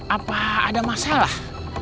apa ada masalah